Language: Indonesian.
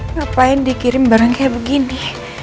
ngapain dikirim barang kayak begini